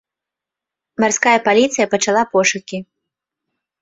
Марская паліцыя пачала пошукі.